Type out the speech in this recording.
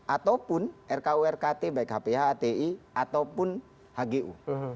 ataupun rku rkt baik hph ati ataupun hgu